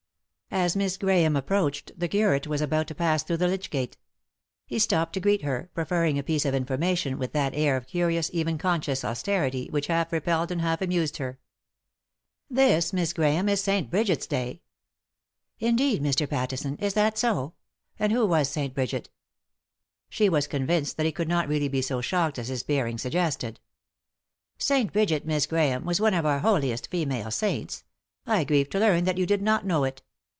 As Miss Grahame approached the curate was about to pass through the lych gate. He stopped to greet her, proffering a piece of information with that air of curious, even conscious austerity, which half repelled and half amused her. ao3 3i 9 iii^d by Google THE INTERRUPTED KISS " This, Miss Grahame, is St Brigit'a day." " Indeed, Mr. Pattison, is that so ? And who was St.Brigit?" She was convinced that he could not really be so shocked as his bearing suggested. " St. Brigit, Miss Grahame, was one of our holiest female saints. I grieve to learn that you did not know it.